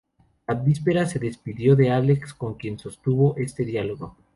La víspera se despidió de Alex, con quien sostuvo este diálogo.